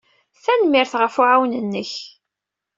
Tanemmirt ɣef uɛawen-nnek.